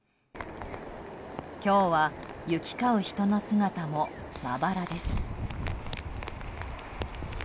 今日は、行き交う人の姿もまばらです。